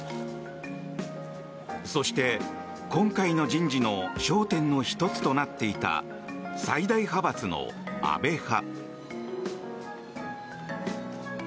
そして、今回の人事の焦点の１つとなっていた最大派閥の安倍派。